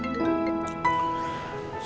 sampai jumpa mas